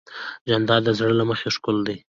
جانداد د زړونو له مخې ښکلی دی.